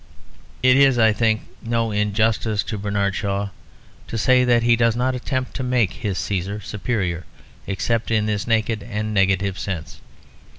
It is, I think, no injustice to Bernard Shaw to say that he does not attempt to make his Cæsar superior except in this naked and negative sense.